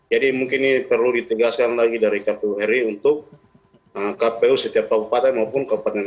jadi mungkin ini perlu ditinggalkan lagi dari kpu heri untuk kpu setiap kabupaten maupun kabupaten